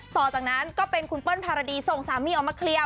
ต่อจากนั้นก็เป็นคุณเปิ้ลภารดีส่งสามีออกมาเคลียร์